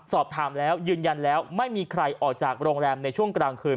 สอบถามแล้วยืนยันแล้วไม่มีใครออกจากโรงแรมในช่วงกลางคืน